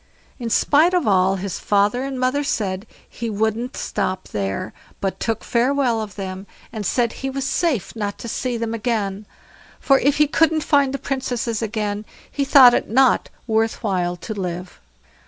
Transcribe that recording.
In spite of all his father and mother said, he wouldn't stop there, but took farewell of them, and said he was safe not to see them again; for if he couldn't find the Princesses again, he thought it not worth while to live.